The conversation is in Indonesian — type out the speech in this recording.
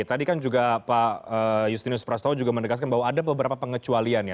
tadi kan juga pak justinus prastowo juga menegaskan bahwa ada beberapa pengecualian ya